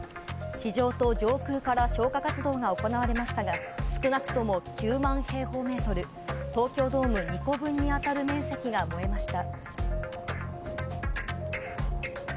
地上と上空から消火活動が行われましたが、少なくとも９万平方メートル、東京ドーム２個分に当たる面積が燃えました。